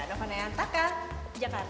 dokter naya taka jakarta